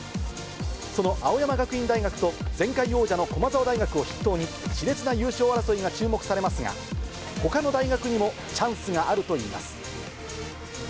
その青山学院大学と前回王者の駒澤大学を筆頭にしれつな優勝争いが注目されますが、ほかの大学にもチャンスがあるといいます。